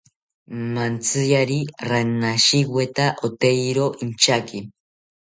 Mantziyari ranashitaweta oteyiro inchaki